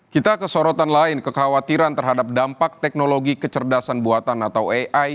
kita ke sorotan lain kekhawatiran terhadap dampak teknologi kecerdasan buatan atau ai